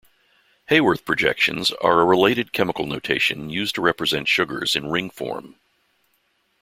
Haworth projections are a related chemical notation used to represent sugars in ring form.